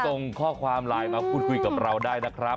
ตรงข้อความไลน์มาคุยกับเราได้นะครั้งครับ